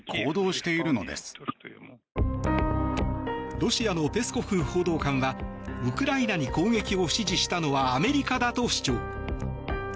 ロシアのペスコフ報道官はウクライナに攻撃を指示したのはアメリカだと主張。